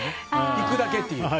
行くだけっていう。